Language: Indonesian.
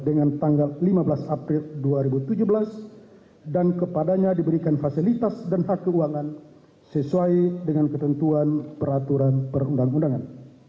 dengan tanggal lima belas april dua ribu tujuh belas dan kepadanya diberikan fasilitas dan hak keuangan sesuai dengan ketentuan peraturan perundang undangan